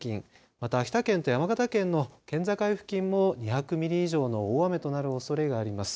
また、秋田県と山形県の県境付近も２００ミリ以上の大雨となるおそれがあります。